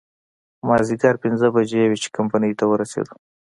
مازديګر پينځه بجې وې چې کمپنۍ ته ورسېدو.